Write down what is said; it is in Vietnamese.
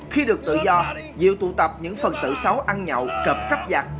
khi được tự do diệu tụ tập những phần tử xấu ăn nhậu trộm cắp giặt